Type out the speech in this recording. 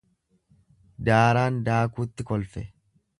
Daaraan daakutti kolfe.